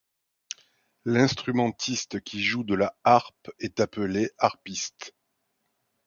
L'instrumentiste qui joue de la harpe est appelé harpiste.